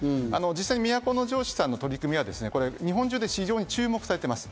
実際、都城市さんの取り組みは日本中で非常に注目されてます。